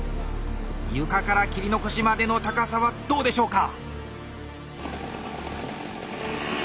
床から切り残しまでの高さはどうでしょうか？